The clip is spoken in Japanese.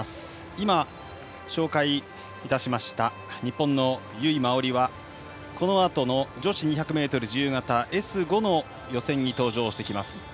今、紹介いたしました日本の由井真緒里はこのあとの女子２００ｍ自由形Ｓ５の予選に登場してきます。